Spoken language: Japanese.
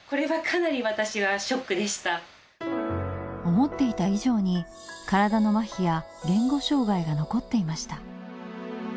思っていた以上に身体の麻痺や言語障害が残っていました。